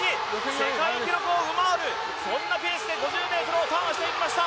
世界記録を上回るそんなペースで５０ｍをターンしていきました。